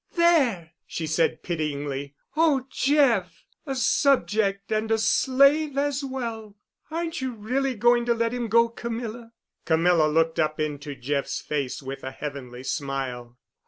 "There!" she said pityingly. "Oh, Jeff! a subject and a slave as well! Aren't you really going to let him go, Camilla?" Camilla looked up into Jeff's face with a heavenly smile.